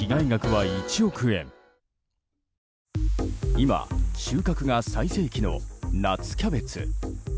今、収穫が最盛期の夏キャベツ。